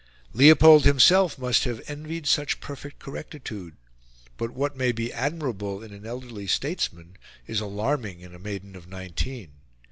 Leopold himself must have envied such perfect correctitude; but what may be admirable in an elderly statesman is alarming in a maiden of nineteen.